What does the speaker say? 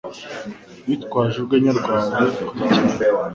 Witwaje urwenya rwawe kure cyane.